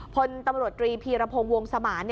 พลตำรวจตรีพีรพงศ์วงสมาน